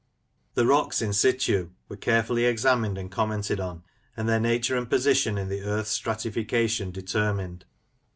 The rocks in situ were carefully examined and commented on, and their nature and position in the earth's stratification determined.